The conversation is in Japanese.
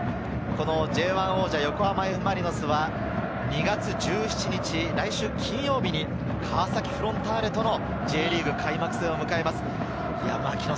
Ｊ１王者、横浜Ｆ・マリノスは２月１７日・来週金曜日に、川崎フロンターレとのＪリーグ開幕戦を迎えます。